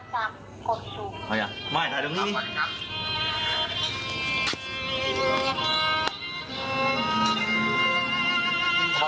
ฟังจากกดสุดไม่นะครับสวัสดีครับ